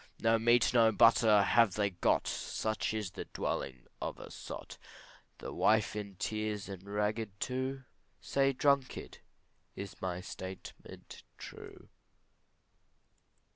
No meat, no butter have they got, Such is the dwelling of a sot, The wife in tears and ragged too, Say, drunkard, is my statement true?